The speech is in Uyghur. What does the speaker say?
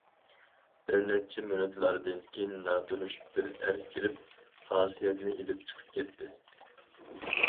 بىرنەچچە مىنۇتلاردىن كېيىن ناتونۇش بىر ئەر كىرىپ، خاسىيەتنى ئېلىپ چىقىپ كەتتى.